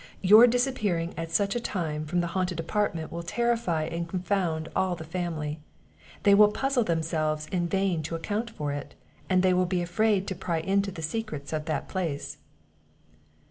Your disappearing at such a time from the haunted apartment will terrify and confound all the family; they will puzzle themselves in vain to account for it, and they will be afraid to pry into the secrets of that place."